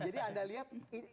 jadi anda lihat